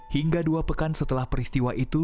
hingga dua pekan setelah peristiwa itu